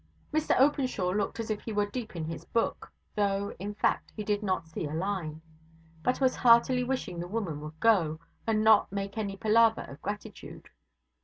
Mr Openshaw looked as if he were deep in his book, though in fact he did not see a line; but was heartily wishing the woman would go, and not make any palaver of gratitude.